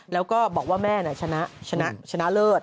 แล้วก็บอกว่าแม่ชนะชนะเลิศ